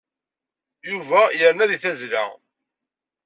Yuba yerna deg tazzla.